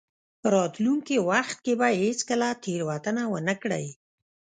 راتلونکي وخت کې به هېڅکله تېروتنه ونه کړئ.